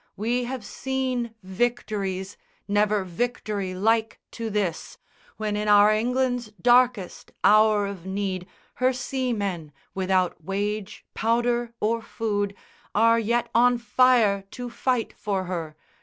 We have seen Victories, never victory like to this, When in our England's darkest hour of need Her seamen, without wage, powder, or food, Are yet on fire to fight for her.